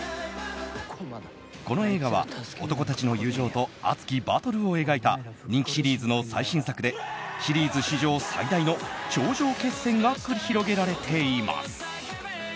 この映画は男たちの友情と熱きバトルを描いた人気シリーズの最新作でシリーズ史上最大の頂上決戦が繰り広げられています。